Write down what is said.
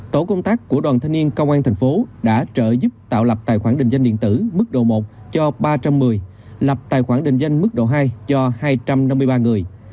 tổ công tác của đoàn thanh niên công an thành phố đã trợ giúp tạo lập tài khoản định danh điện tử mức độ một cho ba trăm một mươi lập tài khoản định danh mức độ hai cho hai trăm năm mươi ba người